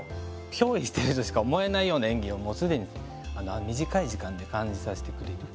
ひょう依してるとしか思えないような演技をもうすでに短い時間で感じさせてくれる。